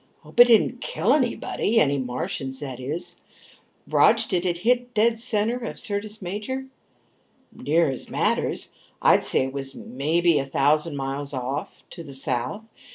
"Hope it didn't kill anybody. Any Martians, that is. Rog, did it hit dead center in Syrtis Major?" "Near as matters. I'd say it was maybe a thousand miles off, to the south.